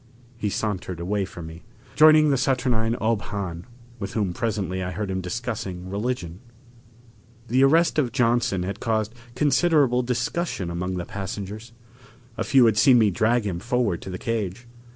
He sauntered away from me, joining the saturnine Ob Hahn, with whom presently I heard him discussing religion. The arrest of Johnson had caused considerable discussion among the passengers. A few had seen me drag him forward to the cage.